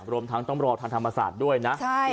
รวมทั้งต้องรอทางธรรมศาสตร์ด้วยนะ